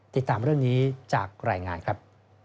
ติดตามเรื่องนี้จากรายงานครับ